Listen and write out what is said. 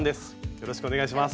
よろしくお願いします。